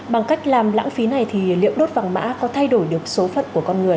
bằng cách làm lãng phí này thì liệu đốt vàng mã có thay đổi được số phận của con người